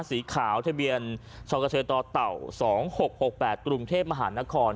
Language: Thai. สีขาวทะเบียนชต๒๖๖๘กรุงเทพมหานคร